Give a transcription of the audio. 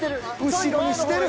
後ろにしてる。